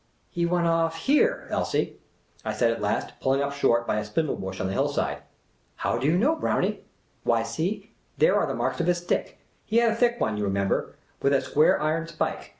" He went off here, Elsie !" I said at last, pulling up .short by a spindle bush on the hillside. " How do you know, Brownie ?"" Why, see, there are the marks of his stick ; he had a thick one, you remember, with a square iron spike.